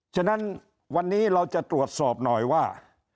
ฉะนั้นวันนี้เราจะตรวจสอบหน่อยว่า